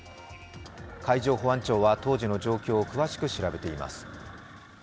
海上保安庁は当時の状況を詳しく調べています。